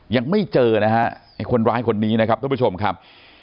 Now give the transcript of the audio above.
ยังไม่เจอนะฮะไอ้คนร้ายคนนี้นะครับท่านผู้ชมครับ